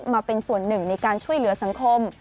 มาเป็นส่วนหนึ่งในการช่วยเหลือสังคม